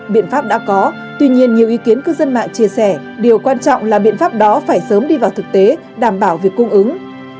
biện pháp đã có tuy nhiên nhiều ý kiến cư dân mạng chia sẻ điều quan trọng là biện pháp đó phải sớm đi vào thực tế đảm bảo việc cung ứng